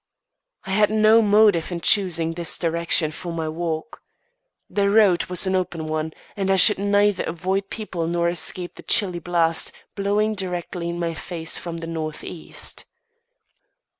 I had no motive in choosing this direction for my walk. The road was an open one, and I should neither avoid people nor escape the chilly blast blowing directly in my face from the northeast.